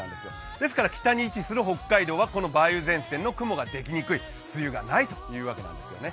ですから北に位置する北海道は梅雨前線による雲ができにくい、梅雨がないというわけなんですよね。